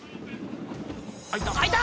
開いた。